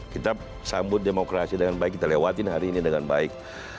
kita sambut demokrasi dengan baik kita lewatin hari ini dengan baik